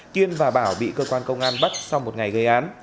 kiên và bảo bị cơ quan công an bắt sau một ngày gây án